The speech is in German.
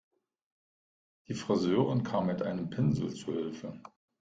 Die Friseurin kam mit einem Pinsel zu Hilfe.